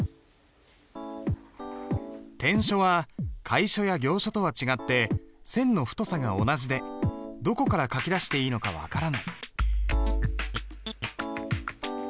篆書は楷書や行書とは違って線の太さが同じでどこから書きだしていいのか分からない。